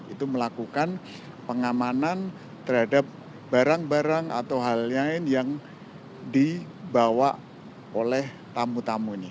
itu melakukan pengamanan terhadap barang barang atau hal lain yang dibawa oleh tamu tamu ini